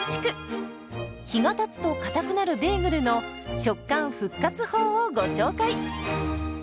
日がたつとかたくなるベーグルの食感復活法をご紹介。